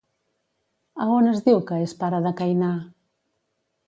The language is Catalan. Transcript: A on es diu que és pare de Cainà?